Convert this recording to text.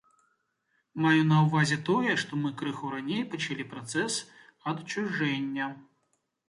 Маю на ўвазе тое, што мы крыху раней пачалі працэс адчужэння.